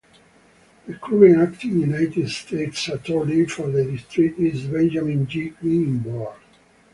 The current Acting United States Attorney for the district is Benjamin G. Greenberg.